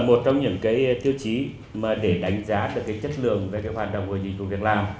một trong những cái tiêu chí mà để đánh giá được cái chất lượng và cái hoạt động của dịch vụ việc làm